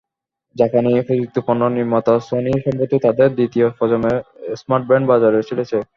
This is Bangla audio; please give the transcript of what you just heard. জাপানি প্রযুক্তিপণ্য নির্মাতা সনি সম্প্রতি তাদের দ্বিতীয় প্রজন্মের স্মার্টব্যান্ড বাজারে ছেড়েছে।